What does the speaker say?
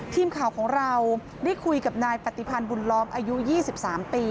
ทีมข่าวของเราได้คุยกับนายปฏิพันธ์บุญล้อมอายุ๒๓ปี